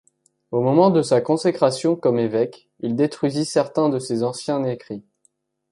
Au moment de sa consécration comme évêque, il détruisit certains de ses anciens écrits.